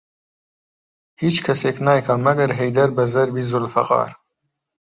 هیچ کەسێک نایکا مەگەر حەیدەر بە زەربی زولفەقار